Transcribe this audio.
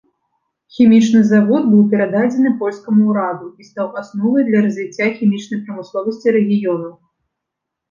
Хімічны завод быў перададзены польскаму ўраду і стаў асновай для развіцця хімічнай прамысловасці рэгіёну.